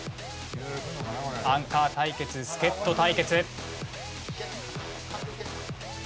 アンカー対決助っ人対決。